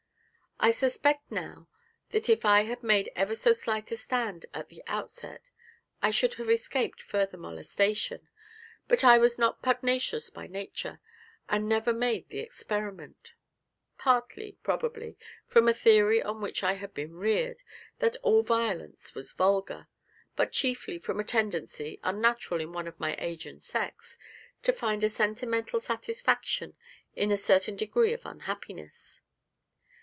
I suspect now that if I had made ever so slight a stand at the outset, I should have escaped further molestation, but I was not pugnacious by nature, and never made the experiment; partly, probably, from a theory on which I had been reared, that all violence was vulgar, but chiefly from a tendency, unnatural in one of my age and sex, to find a sentimental satisfaction in a certain degree of unhappiness.